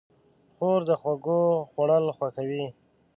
خور د خوږو خوړل خوښوي.